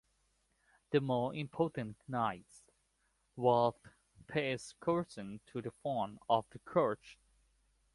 The more important knights were placed closer to the front of the church.